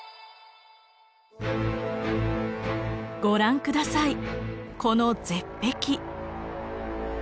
ご覧下さいこの絶壁。